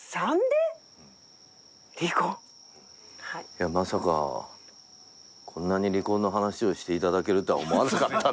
いやまさかこんなに離婚の話をして頂けるとは思わなかったんで。